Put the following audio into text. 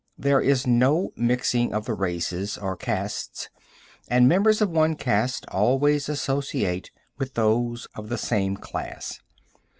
There is no mixing of the races or castes, and members of one caste always associate with those of the same class.